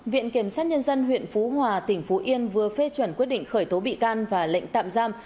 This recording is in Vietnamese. viện kiểm sát nhân dân huyện phú hòa tỉnh phú yên vừa phê chuẩn quyết định khởi tố bị can và lệnh tạm giam